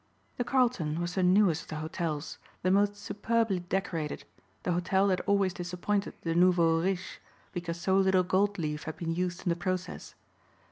The Carlton was the newest of the hotels, the most superbly decorated, the hotel that always disappointed the nouveau riche because so little goldleaf had been used in the process.